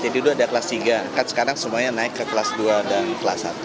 jadi dulu ada kelas tiga sekarang semuanya naik ke kelas dua dan kelas satu